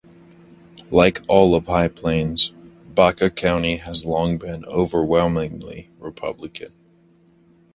Like all of the High Plains, Baca County has long been overwhelmingly Republican.